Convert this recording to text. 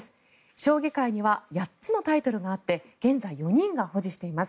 将棋界には８つのタイトルがあって現在、４人が保持しています。